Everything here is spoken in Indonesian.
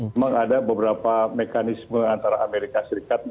memang ada beberapa mekanisme antara amerika serikat dan asean